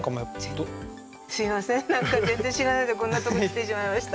すいません何か全然知らないでこんなとこに来てしまいました。